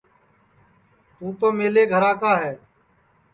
توں تو میلے گھرا کا ہے